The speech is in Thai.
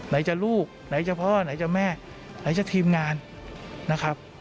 ไหนจะลูกไหนจะพ่อไหนจะแม่ไหนจะทีมงานนะครับ